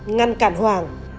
ngăn cản hoàng